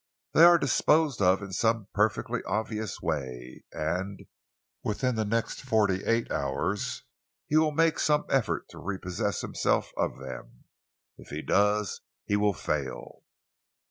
They are disposed of in some perfectly obvious way, and within the next forty eight hours he will make some effort to repossess himself of them. If he does, he will fail."